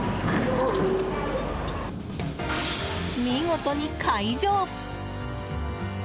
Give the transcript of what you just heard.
見事に解錠！